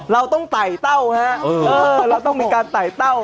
เราต้องไต่เต้าฮะเราต้องมีการไต่เต้า